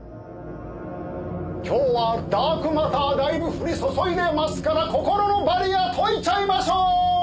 今日はダークマターだいぶ降り注いでますから心のバリア解いちゃいましょ！